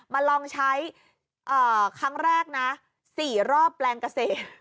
มาลองใช้ครั้งแรกนะ๔รอบแปลงเกษตร